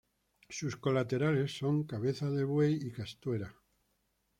Sus colaterales son Cabeza del Buey y Castuera.